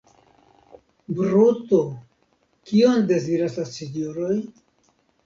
Bruto, kion deziras la sinjoroj?